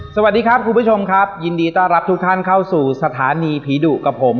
สวัสดีครับคุณผู้ชมครับยินดีต้อนรับทุกท่านเข้าสู่สถานีผีดุกับผม